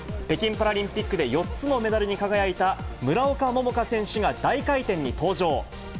北京パラリンピックで４つのメダルに輝いた村岡桃佳選手が、大回転に登場。